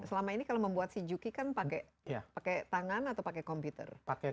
selama ini kalau membuat si juki kan pakai tangan atau pakai komputer